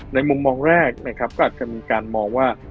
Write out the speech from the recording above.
ในมุมมองแรกก็อาจจะมีการมองว่า